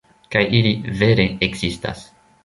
Kaj ili, vere, ekzistas.